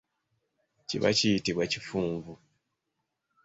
Kiba kiyitibwa kifunvu.